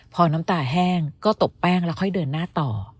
พอน้ำตาแห้งก็ตบแป้งแล้วค่อยเดินหน้าต่อ